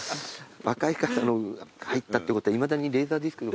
若い方の入ったってことはいまだにレーザーディスク。